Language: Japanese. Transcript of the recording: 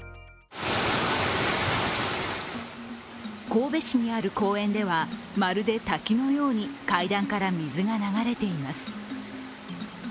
神戸市にある公園では、まるで滝のように階段から水が流れています。